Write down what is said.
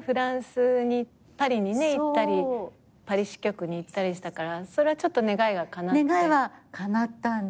フランスにパリに行ったりパリ支局に行ったりしたからそれはちょっと願いがかなって。